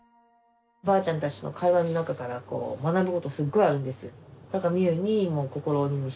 おばあちゃんたちとの会話の中から学ぶ事すごいあるんですよ。